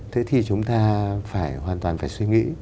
thế thì chúng ta phải hoàn toàn phải suy nghĩ